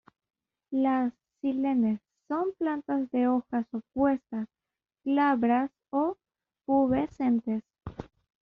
Las "Silene" son plantas de hojas opuestas, glabras o pubescentes.